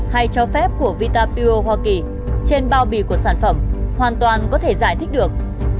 hay cho phép của vitapu hoa kỳ trên bao bì của sản phẩm hoàn toàn có thể giải thích được